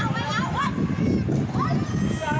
คลิปมีค่อนข้างยาวนะคะ